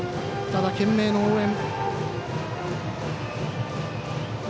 ただ、懸命の応援。